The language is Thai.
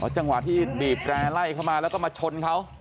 จังหวะที่บีบแร่ไล่เข้ามาแล้วก็มาชนเขา